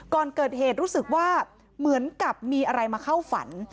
ก่อนเกิดเหตุรู้สึกว่าเหมือนกับมีอะไรมาเข้าฝัน